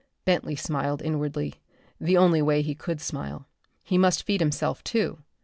Bentley smiled inwardly, the only way he could smile. He must feed himself, too.